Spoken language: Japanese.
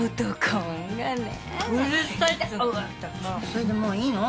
それでもういいの？